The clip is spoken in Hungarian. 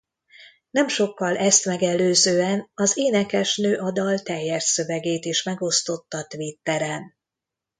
Nem sokkal ezt megelőzően az énekesnő a dal teljes szövegét is megosztotta Twitteren.